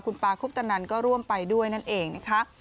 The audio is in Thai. คุณปาคุปตนันก็ร่วมไปด้วยนั่นเองนะคะ